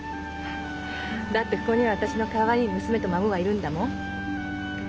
だってここには私のかわいい娘と孫がいるんだもん。